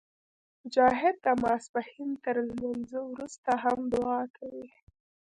مجاهد د ماسپښین تر لمونځه وروسته هم دعا کوي.